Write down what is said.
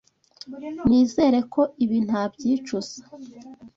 Nizere ko ibi ntabyicuza.